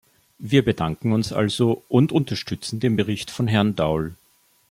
Wir bedanken uns also und unterstützen den Bericht von Herrn Daul.